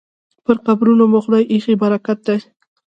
پر قبرونو مو خدای ایښی برکت دی